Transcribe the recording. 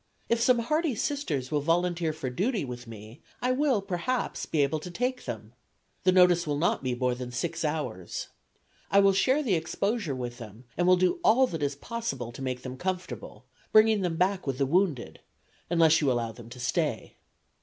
If some hardy Sisters will volunteer for duty with me I will perhaps be able to take them. The notice will not be more than six hours. I will share the exposure with them, and will do all that is possible to make them comfortable, bringing them back with the wounded, unless you allow them to stay.